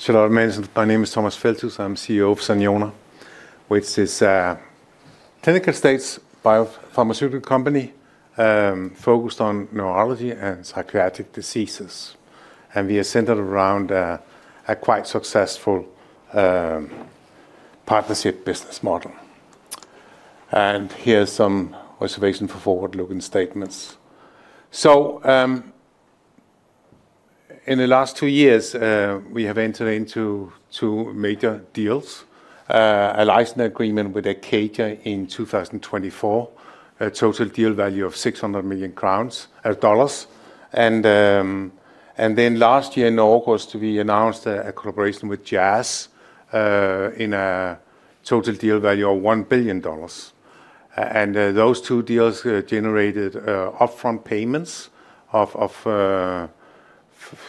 Shall I mention, my name is Thomas Feldthus. I'm CEO of Saniona, which is a clinical-stage biopharmaceutical company, focused on neurological and psychiatric diseases. We are centered around a quite successful partnership business model. Here are some reservations for forward-looking statements. In the last two years, we have entered into two major deals. A licensing agreement with Acadia in 2024, a total deal value of $600 million. Then last year in August, we announced a collaboration with Jazz in a total deal value of $1 billion. Those two deals generated upfront payments of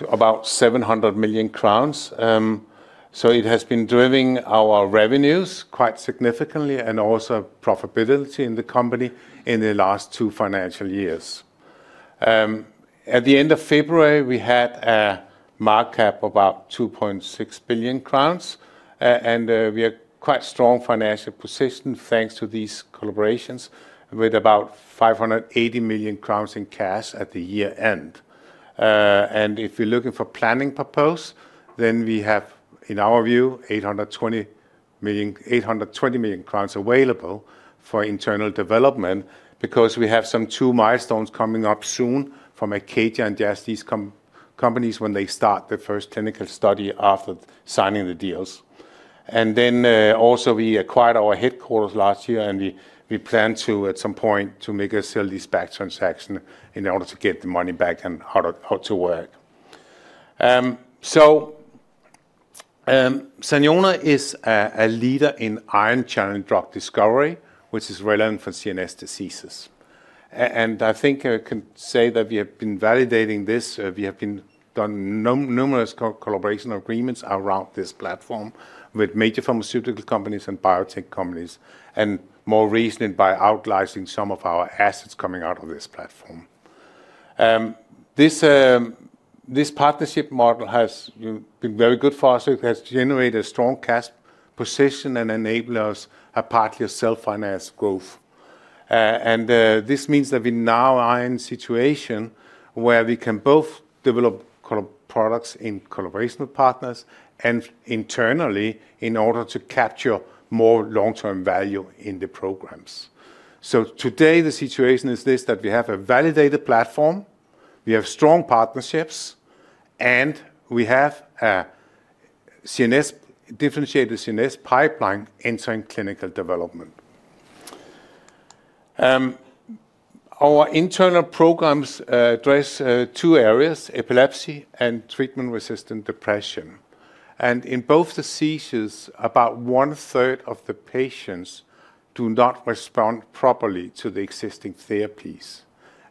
about 700 million crowns. It has been driving our revenues quite significantly and also profitability in the company in the last two financial years. At the end of February, we had a market cap about 2.6 billion crowns, and we are quite strong financial position thanks to these collaborations with about 580 million crowns in cash at the year-end. If you're looking for planning purpose, then we have, in our view, 820 million crowns available for internal development because we have some two milestones coming up soon from Acadia and Jazz, these companies when they start the first clinical study after signing the deals. We acquired our headquarters last year, and we plan to, at some point, make a sale-leaseback transaction in order to get the money back. Saniona is a leader in ion channel drug discovery, which is relevant for CNS diseases. I think I can say that we have been validating this. We have been doing numerous collaboration agreements around this platform with major pharmaceutical companies and biotech companies, and more recently by out-licensing some of our assets coming out of this platform. This partnership model has, you know, been very good for us. It has generated a strong cash position and enabled us to partially self-finance growth. This means that we now are in a situation where we can both develop products in collaboration with partners and internally in order to capture more long-term value in the programs. Today, the situation is this, that we have a validated platform, we have strong partnerships, and we have a CNS, differentiated CNS pipeline entering clinical development. Our internal programs address two areas, epilepsy and treatment-resistant depression. In both diseases, about one-third of the patients do not respond properly to the existing therapies.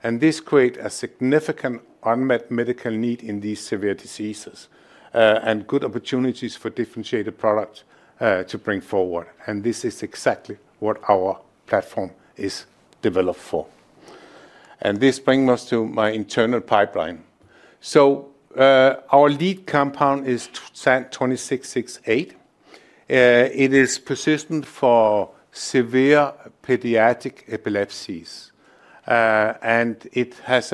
This create a significant unmet medical need in these severe diseases, and good opportunities for differentiated product to bring forward. This is exactly what our platform is developed for. This bring us to my internal pipeline. Our lead compound is SAN2668. It is persistent for severe pediatric epilepsies. It has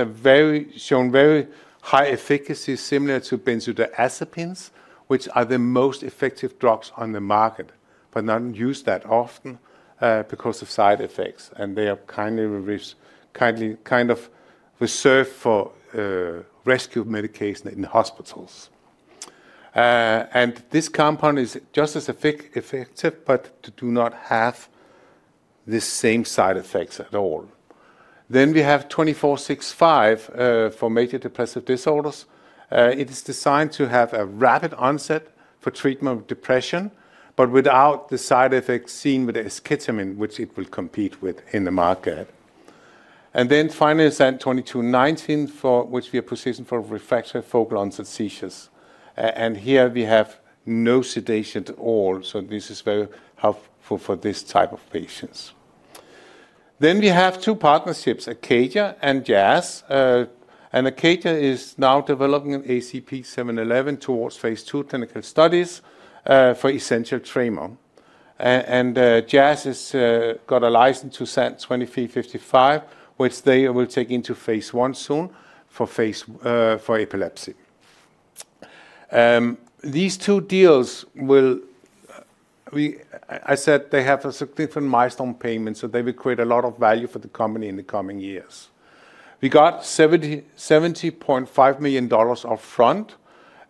shown very high efficacy similar to benzodiazepines, which are the most effective drugs on the market, but not used that often, because of side effects. They are kind of reserved for rescue medication in hospitals. This compound is just as effective, but do not have the same side effects at all. We have SAN2465 for major depressive disorders. It is designed to have a rapid onset for treatment of depression, but without the side effects seen with esketamine, which it will compete with in the market. Finally, SAN2219 for which we are proceeding for refractory focal onset seizures. Here we have no sedation at all, so this is very helpful for this type of patients. We have two partnerships, Acadia and Jazz. Acadia is now developing an ACP-711 towards phase II clinical studies for essential tremor. Jazz has got a license to SAN2355, which they will take into phase one soon for epilepsy. These two deals I said they have a significant milestone payment, so they will create a lot of value for the company in the coming years. We got $70.5 million up front.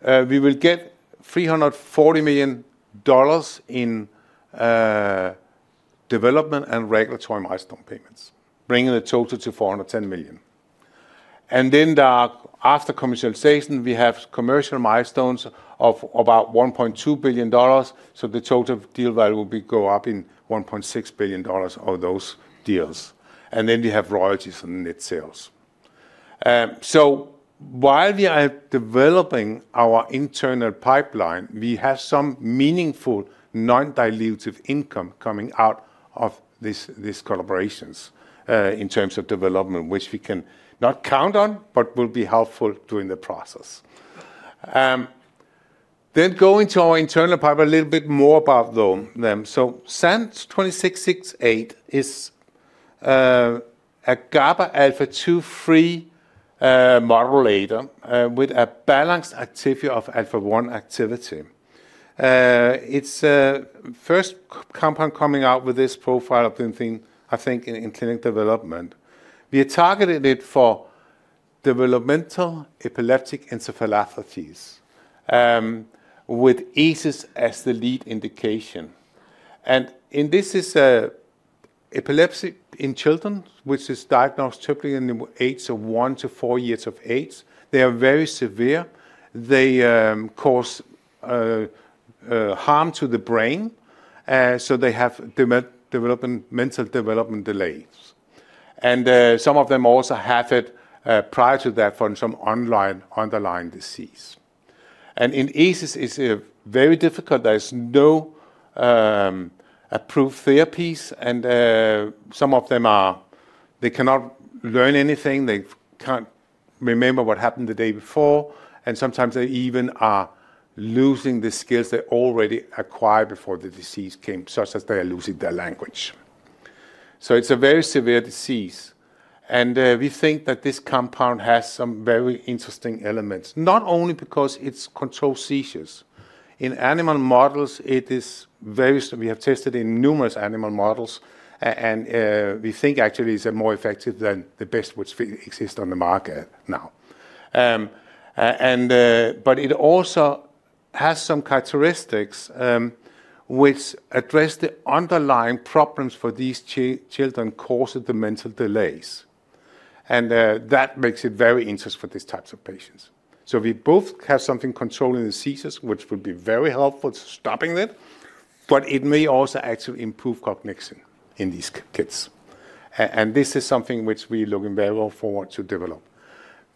We will get $340 million in development and regulatory milestone payments, bringing the total to $410 million. After commercialization, we have commercial milestones of about $1.2 billion, so the total deal value will be go up in $1.6 billion of those deals. We have royalties on net sales. While we are developing our internal pipeline, we have some meaningful non-dilutive income coming out of this, these collaborations, in terms of development, which we cannot count on, but will be helpful during the process. Going to our internal pipeline a little bit more about them. SAN2668 is a GABA alpha 2/3 modulator with a balanced activity of alpha one activity. It is a first-in-class compound coming out with this profile of anything, I think, in clinical development. We have targeted it for developmental epileptic encephalopathies with ESES as the lead indication. This is an epilepsy in children, which is diagnosed typically in the age of one to four years of age. They are very severe. They cause harm to the brain. They have mental development delays. Some of them also have it prior to that from some underlying disease. In ESES, it's very difficult. There's no approved therapies, and some of them are. They cannot learn anything. They can't remember what happened the day before. Sometimes they even are losing the skills they already acquired before the disease came, such as they are losing their language. It's a very severe disease. We think that this compound has some very interesting elements, not only because it's controlled seizures. In animal models, we have tested in numerous animal models and we think actually it's more effective than the best which exist on the market now. But it also has some characteristics which address the underlying problems for these children causing the mental delays. That makes it very interesting for these types of patients. We both have something controlling the seizures, which will be very helpful to stopping it, but it may also actually improve cognition in these kids. This is something which we're looking very well forward to develop.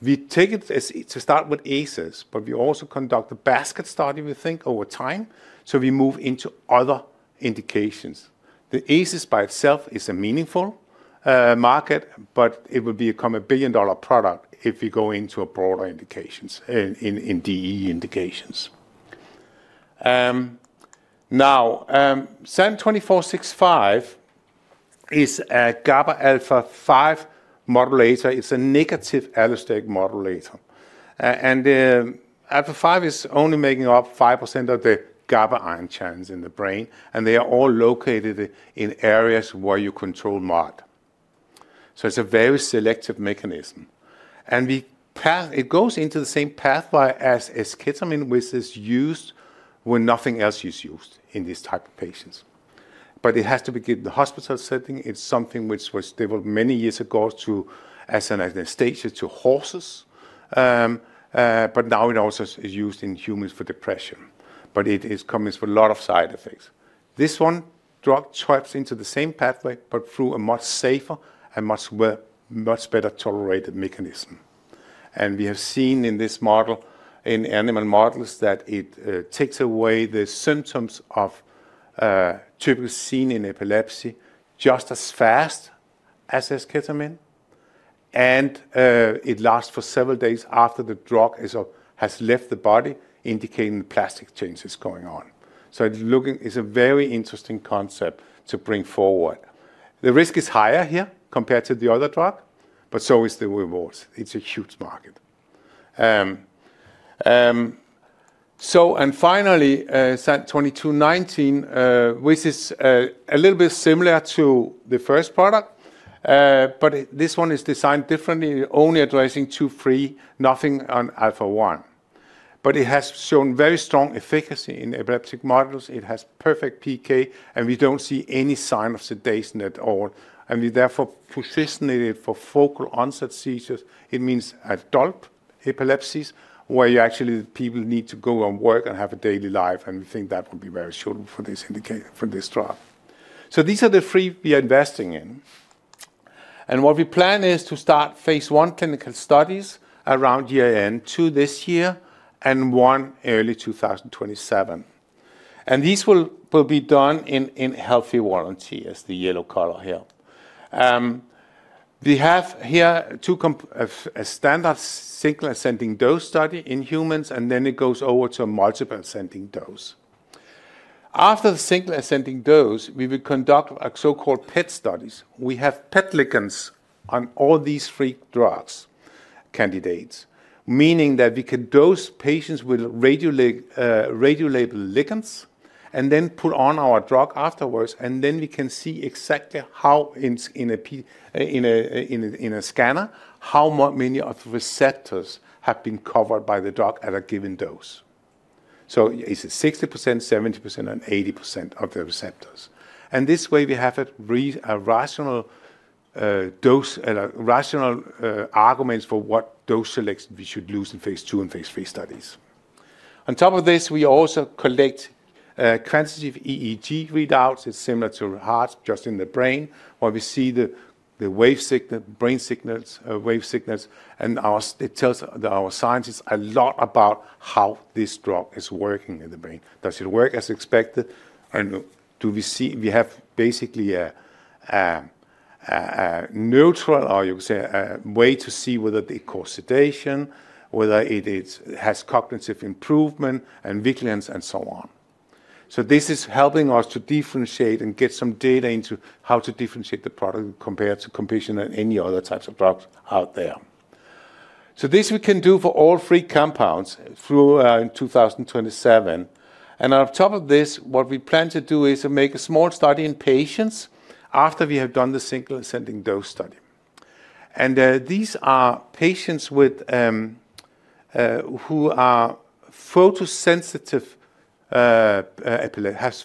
We take it to start with ESES, but we also conduct a basket study, we think, over time, so we move into other indications. The ESES by itself is a meaningful market, but it would become a billion-dollar product if we go into a broader indications in DE indications. SAN2465 is a GABA alpha five modulator. It's a negative allosteric modulator. Alpha five is only making up 5% of the GABA ion channels in the brain, and they are all located in areas where you control mod. It's a very selective mechanism. It goes into the same pathway as esketamine, which is used when nothing else is used in these type of patients. It has to be given in the hospital setting. It's something which was developed many years ago to as an anesthetic to horses. Now it also is used in humans for depression, but it comes with a lot of side effects. This one drug swipes into the same pathway, but through a much safer and much better tolerated mechanism. We have seen in this model, in animal models, that it takes away the symptoms typically seen in epilepsy just as fast as esketamine. It lasts for several days after the drug has left the body, indicating plastic changes going on. It's a very interesting concept to bring forward. The risk is higher here compared to the other drug, but so is the rewards. It's a huge market. Finally, SAN2219, which is a little bit similar to the first product, but this one is designed differently, only addressing two, three, nothing on alpha one. It has shown very strong efficacy in epileptic models. It has perfect PK, and we don't see any sign of sedation at all, and we therefore position it for focal onset seizures. It means adult epilepsies, where people need to go and work and have a daily life, and we think that would be very suitable for this drug. These are the three we are investing in. What we plan is to start phase I clinical studies around year-end 2022 this year, and one early 2027. These will be done in healthy volunteers as the yellow color here. We have here a standard single ascending dose study in humans, and then it goes over to multiple ascending dose. After the single ascending dose, we will conduct a so-called PET studies. We have PET ligands on all these three drug candidates, meaning that we can dose patients with radiolabeled ligands and then put on our drug afterwards, and then we can see exactly how in a scanner, how many of receptors have been covered by the drug at a given dose. Is it 60%, 70%, and 80% of the receptors? This way, we have a rational dose and a rational arguments for what dose selection we should use in phase II and phase III studies. On top of this, we also collect quantitative EEG readouts. It's similar to ECG, just in the brain, where we see the wave signal, brain signals, wave signals, and it tells our scientists a lot about how this drug is working in the brain. Does it work as expected? We have basically a neutral or you could say a way to see whether they cause sedation, whether it has cognitive improvement and vigilance and so on. This is helping us to differentiate and get some data into how to differentiate the product compared to competition and any other types of drugs out there. This we can do for all three compounds through 2027. On top of this, what we plan to do is to make a small study in patients after we have done the single ascending dose study. These are patients with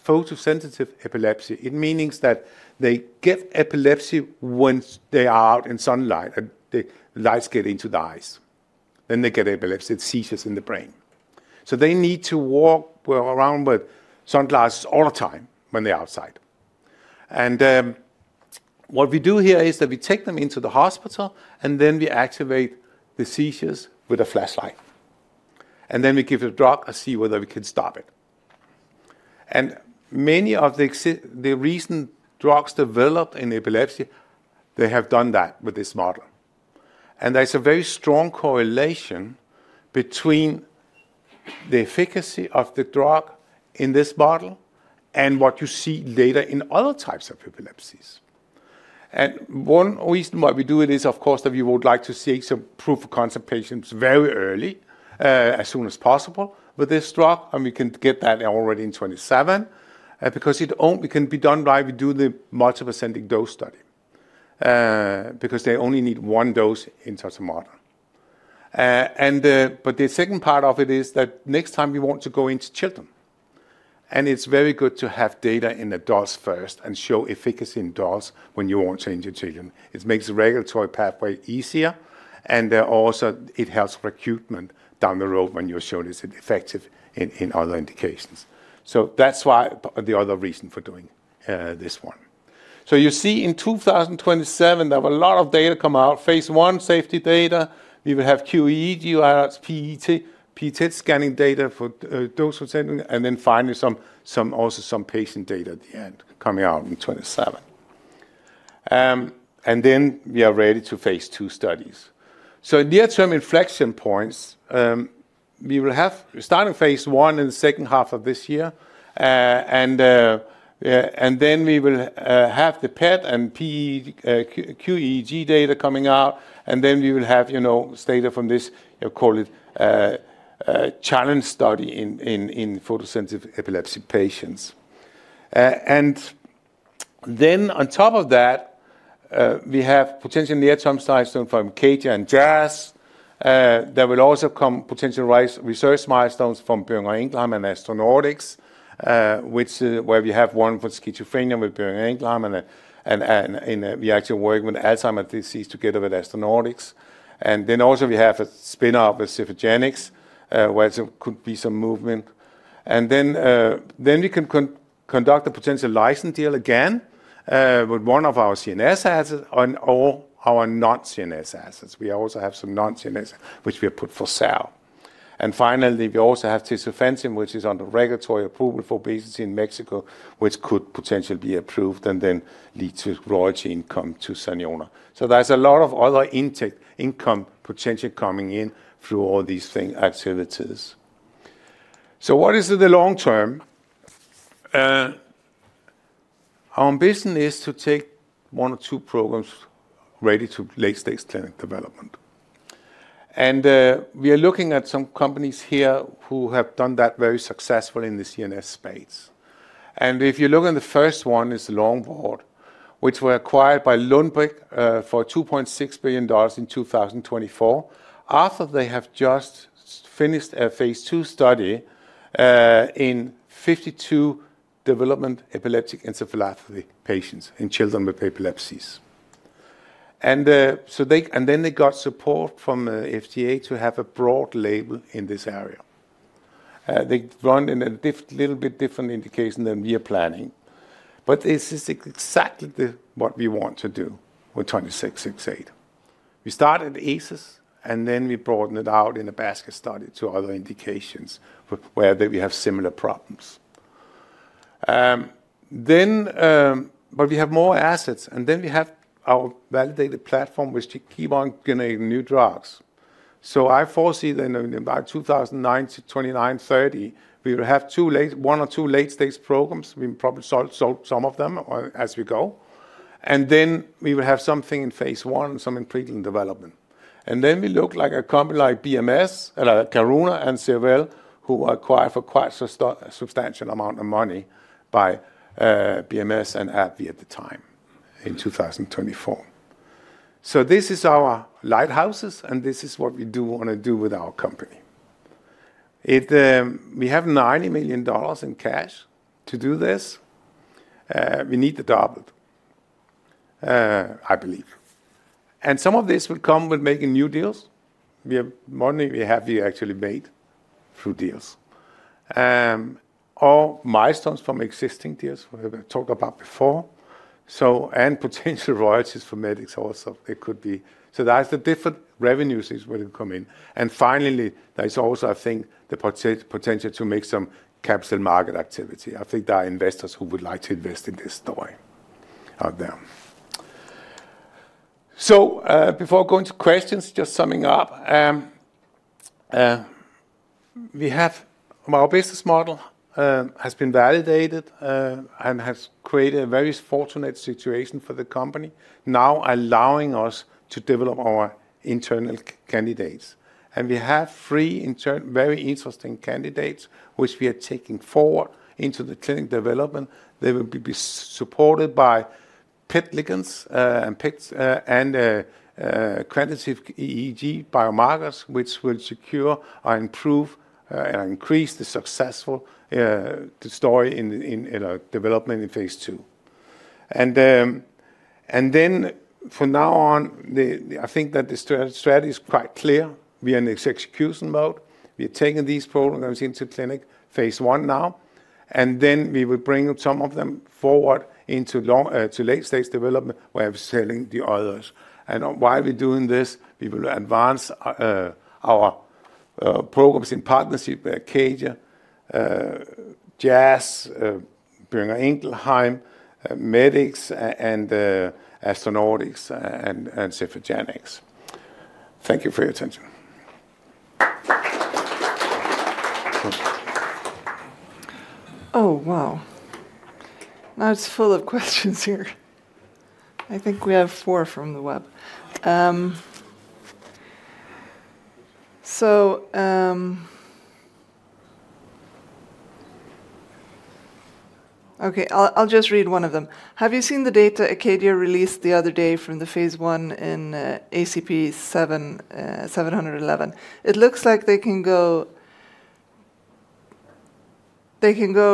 photosensitive epilepsy. It means that they get epilepsy once they are out in sunlight and the lights get into the eyes, then they get epilepsy, seizures in the brain. They need to walk around with sunglasses all the time when they're outside. What we do here is that we take them into the hospital, and then we activate the seizures with a flashlight. Then we give a drug and see whether we can stop it. Many of the recent drugs developed in epilepsy, they have done that with this model. There's a very strong correlation between the efficacy of the drug in this model and what you see later in other types of epilepsies. One reason why we do it is, of course, that we would like to see some proof-of-concept patients very early, as soon as possible with this drug, and we can get that already in 2027. Because it can be done while we do the multiple ascending dose study, because they only need one dose in such a model. But the second part of it is that next time we want to go into children, and it's very good to have data in adults first and show efficacy in adults when you want to enter children. It makes the regulatory pathway easier, and also it helps recruitment down the road when you're showing it's effective in other indications. That's why, the other reason for doing this one. You see in 2027, there were a lot of data come out. Phase I safety data. We will have qEEG, PET scanning data for dose ascending, and then finally some patient data at the end coming out in 2027. Then we are ready to phase II studies. Near-term inflection points, we will have. We're starting phase 1 in the second half of this year, and then we will have the PET and qEEG data coming out, and then we will have, you know, data from this, call it, challenge study in photosensitive epilepsy patients. Then on top of that, we have potential near-term milestones from Acadia and Jazz. There will also come potential research milestones from Boehringer Ingelheim and AstronauTx, which, where we have one for schizophrenia with Boehringer Ingelheim, and we actually work with Alzheimer's disease together with AstronauTx. We have a spin-off with Cephagenix, where there could be some movement. We can conduct a potential license deal again, with one of our CNS assets or our non-CNS assets. We also have some non-CNS which we have put for sale. Finally, we also have tesofensine, which is under regulatory approval for obesity in Mexico, which could potentially be approved and then lead to royalty income to Saniona. There's a lot of other intake income potentially coming in through all these things, activities. What is it in the long term? Our mission is to take one or two programs ready to late-stage clinical development. We are looking at some companies here who have done that very successfully in the CNS space. If you look, the first one is Longboard, which were acquired by Lundbeck for $2.6 billion in 2024, after they have just finished a phase II study in 52 Developmental and Epileptic Encephalopathies patients in children with epilepsies. So they...and then they got support from FDA to have a broad label in this area. They run in a little bit different indication than we are planning, but this is exactly what we want to do with SAN2668. We start at ESES, and then we broaden it out in a basket study to other indications where they will have similar problems. We have more assets, and then we have our validated platform which to keep on generating new drugs. I foresee then in about 2009 to [2930], we will have one or two late-stage programs. We probably sold some of them as we go. We will have something in phase 1, something in preclinical development. We look like a company like BMS, Karuna and Cerevel, who were acquired for quite substantial amount of money by BMS and AbbVie at the time in 2024. This is our lighthouses, and this is what we do wanna do with our company. We have $90 million in cash to do this. We need to double it, I believe. Some of this will come with making new deals. We have money we actually made through deals. Or milestones from existing deals we have talked about before. And potential royalties from Medix also it could be. That's the different revenues will come in. Finally, there's also, I think, the potential to make some capital market activity. I think there are investors who would like to invest in this story out there. Before going to questions, just summing up. We have our business model has been validated and has created a very fortunate situation for the company, now allowing us to develop our internal candidates. We have three very interesting candidates which we are taking forward into the clinical development. They will be supported by PET ligands and PET and quantitative EEG biomarkers, which will secure or improve, increase the successful, the story in development in phase two. From now on, I think that the strategy is quite clear. We are in execution mode. We are taking these programs into clinical phase I now, and then we will bring some of them forward into to late stage development, while selling the others. While we're doing this, we will advance our programs in partnership with Acadia, Jazz, Boehringer Ingelheim, Medix, AstronauTx, and Cephagenix. Thank you for your attention. Oh, wow. Now it's full of questions here. I think we have four from the web. Okay, I'll just read one of them. Have you seen the data Acadia released the other day from the phase I in ACP-711? It looks like they can go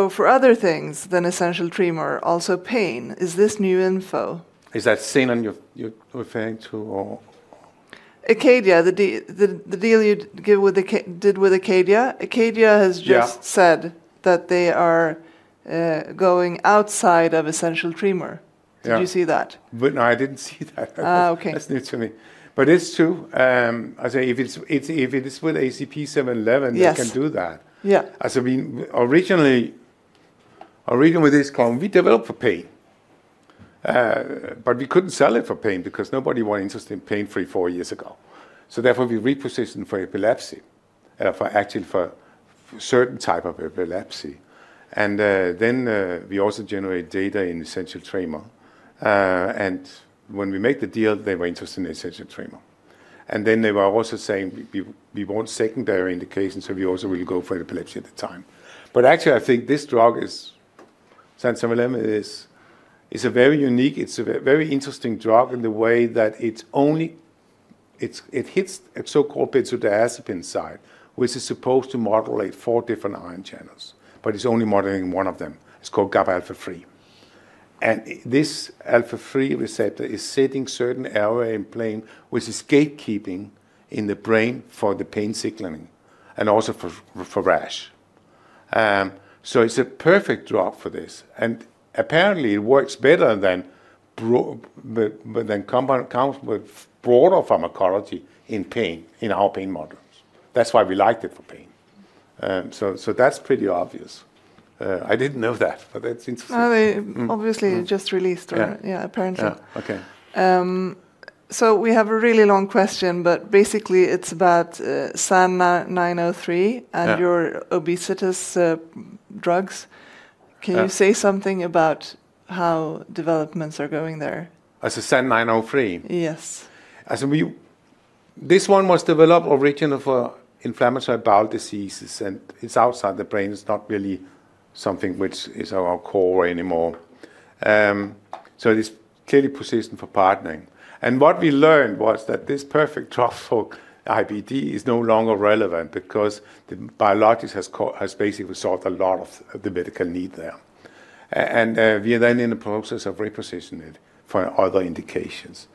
for other things than essential tremor, also pain. Is this new info? Is that Seagen you're referring to or? Acadia, the deal you did with Acadia. Acadia has just- Yeah ...said that they are going outside of essential tremor. Yeah. Did you see that? No, I didn't see that. Oh, okay. That's news to me. It's true. I say if it is with ACP-711. Yes They can do that. Yeah. I mean, originally with this compound, we developed for pain, but we couldn't sell it for pain because nobody were interested in pain four years ago. Therefore, we reposition for epilepsy, for certain type of epilepsy. We also generate data in essential tremor. When we make the deal, they were interested in essential tremor. They were also saying we want secondary indications, so we also will go for epilepsy at the time. Actually, I think this drug is SAN903, is a very unique, it's a very interesting drug in the way that it only hits a so-called benzodiazepine site, which is supposed to modulate four different ion channels, but it's only modulating one of them. It's called GABAA alpha 3. This alpha three receptor is sitting certain area in brain which is gatekeeping in the brain for the pain signaling and also for rash. It's a perfect drug for this. Apparently it works better than but then comes with broader pharmacology in pain, in our pain models. That's why we liked it for pain. That's pretty obvious. I didn't know that, but that's interesting. Well, they obviously just released, right? Yeah. Yeah, apparently. Yeah. Okay. We have a really long question, but basically, it's about SAN903- Yeah ...your obesity drugs. Yeah. Can you say something about how developments are going there? As in SAN903? Yes. This one was developed originally for inflammatory bowel diseases, and it's outside the brain. It's not really something which is our core anymore. It is clearly positioned for partnering. What we learned was that this perfect drug for IBD is no longer relevant because the biologics has basically solved a lot of the medical need there. We are then in the process of repositioning it for other indications.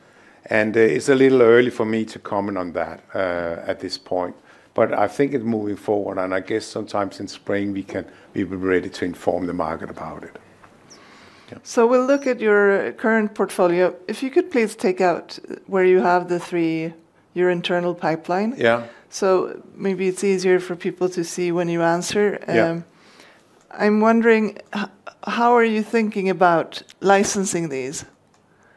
It's a little early for me to comment on that at this point, but I think it's moving forward, and I guess sometime in spring we'll be ready to inform the market about it. Yeah. We'll look at your current portfolio. If you could please take out where you have the three, your internal pipeline. Yeah. Maybe it's easier for people to see when you answer. Yeah. I'm wondering, how are you thinking about licensing these?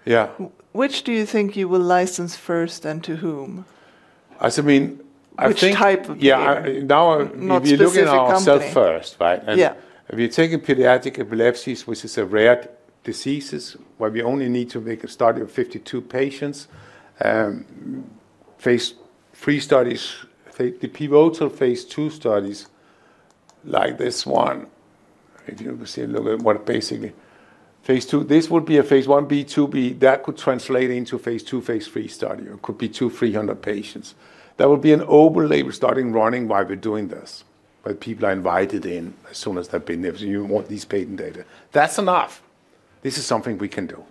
Yeah. Which do you think you will license first and to whom? I mean, I think. Which type of area? Yeah. Now if you look at ourselves first, right? Yeah. If you're taking pediatric epilepsies, which is a rare diseases, where we only need to make a study of 52 patients, phase III studies, the pivotal phase II studies like this one, if you see a little bit more basically. Phase II, this would be a phase 1, B/IIb, that could translate into a phase II, phase III study. It could be 200-300 patients. That would be an overlay. We're starting running while we're doing this, where people are invited in as soon as they've been there. You want this patient data. That's enough. This is something we can do.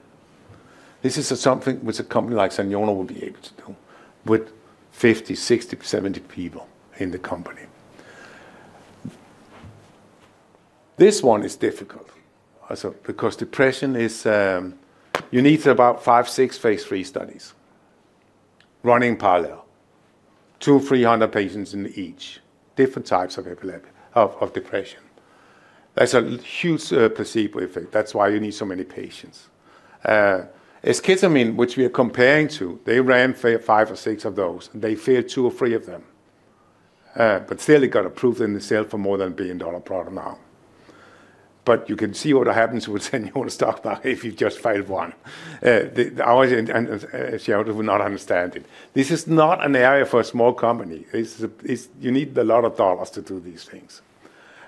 This is something which a company like Saniona will be able to do with 50, 60, 70 people in the company. This one is difficult, as a because depression is, you need about five or six phase III studies running parallel. 200-300 patients in each. Different types of depression. There's a huge placebo effect, that's why you need so many patients. Esketamine, which we are comparing to, they ran five or six of those, and they failed two or three of them. Still they got approved and they sell for more than a $1 billion product now. You can see what happens with Saniona's stock now if you've just failed one. Our shareholders would not understand it. This is not an area for a small company. It's it. You need a lot of dollars to do these things.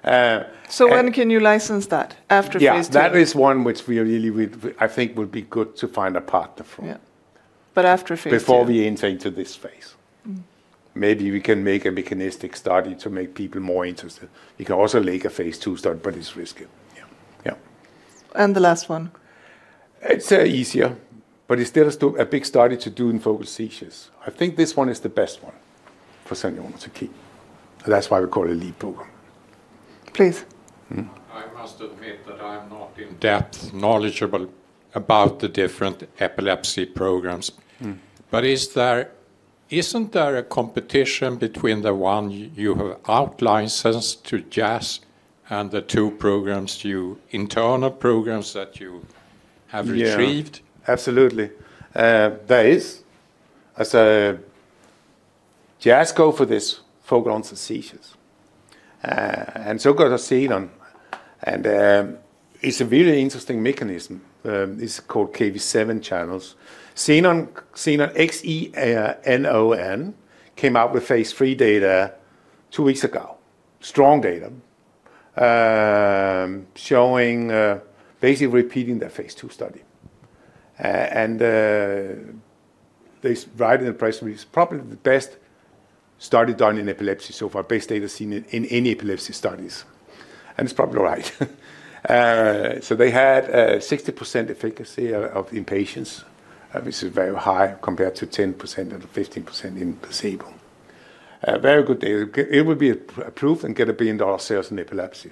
When can you license that? After phase II? Yeah. That is one which we really I think would be good to find a partner for. Yeah. After phase II? Before we enter into this phase. Mm. Maybe we can make a mechanistic study to make people more interested. We can also make a phase II study, but it's risky. Yeah. Yeah. The last one. It's easier, but it still is too big a study to do in focal seizures. I think this one is the best one for Saniona to keep. That's why we call it a lead program. Please. Mm. I must admit that I am not in-depth knowledgeable about the different epilepsy programs. Mm. Isn't there a competition between the one you have out-licensed to Jazz and the two programs, your internal programs that you have retrieved? Yeah. Absolutely. There is. As Jazz go for this focal onset seizures. Got a Xenon and it's a really interesting mechanism. It's called Kv7 channels. Xenon, X-E-N-O-N, came out with phase III data two weeks ago. Strong data. Showing basically repeating their phase II study. They provided the proof, which is probably the best study done in epilepsy so far, best data seen in any epilepsy studies. It's probably right. They had 60% efficacy of the patients, which is very high compared to 10% and 15% in placebo. Very good data. It would be a proof and get a billion-dollar sales in epilepsy.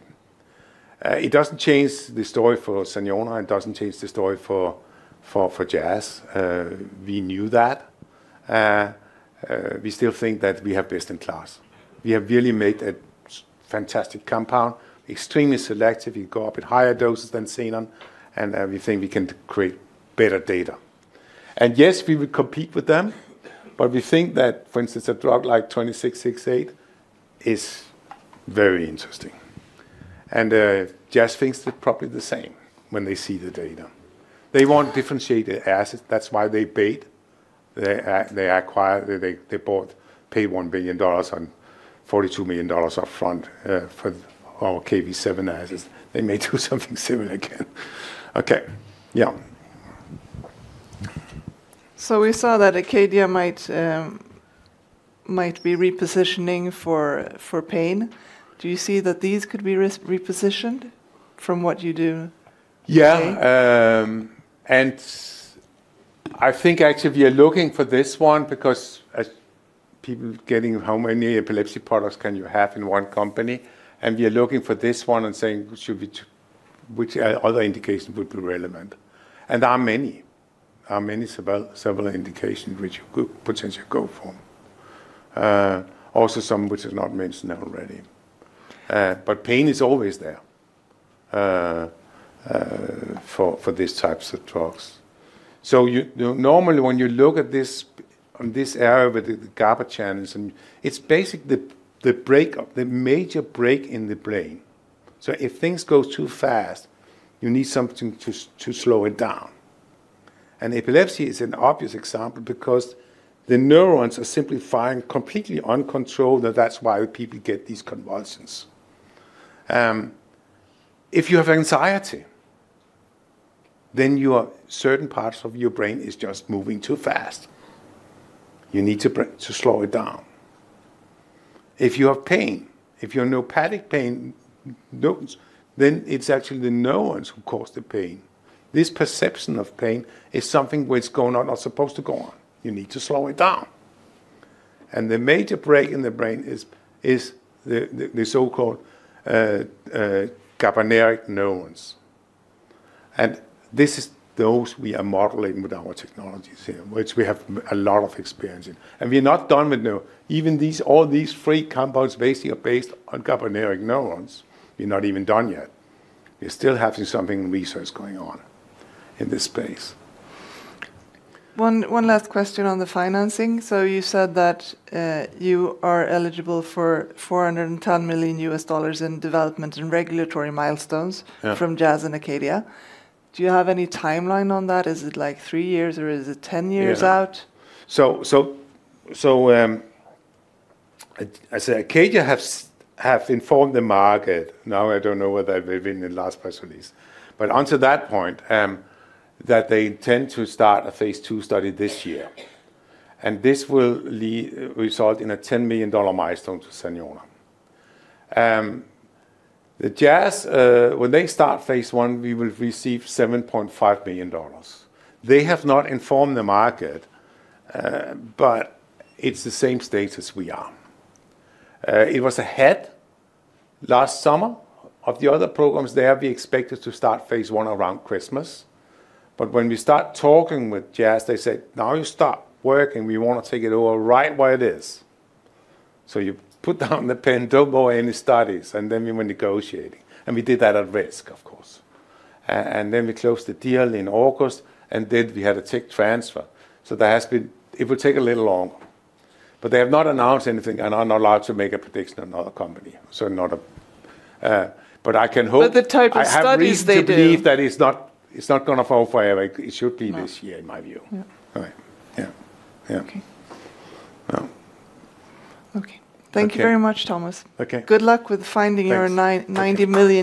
It doesn't change the story for Saniona and doesn't change the story for Jazz. We knew that. We still think that we have best in class. We have really made a fantastic compound, extremely selective. You go up at higher doses than Xenon, and we think we can create better data. Yes, we would compete with them, but we think that, for instance, a drug like 2668 is very interesting. Jazz thinks probably the same when they see the data. They want differentiated assets, that's why they paid. They acquired, they bought, paid $1 billion and $42 million up front for our Kv7 assets. They may do something similar again. Okay. Yeah. We saw that Acadia might be repositioning for pain. Do you see that these could be repositioned from what you do today? Yeah. I think actually we are looking for this one because as people getting how many epilepsy products can you have in one company? We are looking for this one and saying, "Which other indication would be relevant?" There are many. There are several indications which we could potentially go for. Also, some which is not mentioned already. But pain is always there, for these types of drugs. You know, normally when you look at this, on this area with the GABA channels, and it's basically the major brake in the brain. If things go too fast, you need something to slow it down. Epilepsy is an obvious example because the neurons are simply firing completely uncontrolled, and that's why people get these convulsions. If you have anxiety, then your certain parts of your brain is just moving too fast. You need to slow it down. If you have pain, if you're neuropathic pain neurons, then it's actually the neurons who cause the pain. This perception of pain is something which is going on, not supposed to go on. You need to slow it down. The major break in the brain is the so-called GABAergic neurons. This is those we are modeling with our technologies here, which we have a lot of experience in. We're not done. Even these, all these three compounds basically are based on GABAergic neurons. We're not even done yet. We still have some research going on in this space. One last question on the financing. You said that you are eligible for $410 million in development and regulatory milestones- Yeah ...from Jazz and Acadia. Do you have any timeline on that? Is it like three years or is it 10 years out? I'd say Acadia have informed the market. I don't know whether they've been in the last press release. Until that point, they intend to start a phase two study this year. This will result in a $10 million milestone to Saniona. The Jazz, when they start phase one, we will receive $7.5 million. They have not informed the market, but it's the same status we are. It was handed last summer. Of the other programs there, we expected to start phase one around Christmas. When we start talking with Jazz, they said, "Now you stop working. We wanna take it over right where it is. You put down the pen. Don't do any studies." Then we were negotiating. We did that at risk, of course. We closed the deal in August, and then we had a tech transfer. There has been. It will take a little longer. They have not announced anything, and I'm not allowed to make a prediction on another company. Not a. I can hope. The type of studies they do. I have reason to believe that it's not gonna fall forever. It should be this year- No in my view. Yeah. All right. Yeah. Yeah. Okay. Yeah. Okay. Thank you very much, Thomas. Okay. Good luck with finding your 990 million.